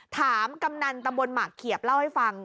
ถามกำนันตะบนหมักเขียบเล่าให้ฟัง